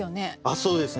そうですね。